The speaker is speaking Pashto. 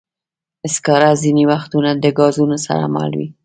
سکاره ځینې وختونه د ګازونو سره مله وي.